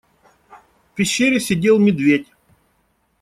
В пещере сидел медведь.